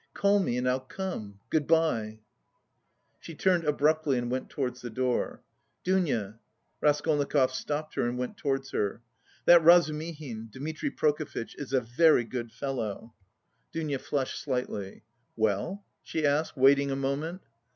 call me, and I'll come. Good bye!" She turned abruptly and went towards the door. "Dounia!" Raskolnikov stopped her and went towards her. "That Razumihin, Dmitri Prokofitch, is a very good fellow." Dounia flushed slightly. "Well?" she asked, waiting a moment.